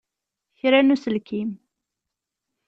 Kra n uselkim!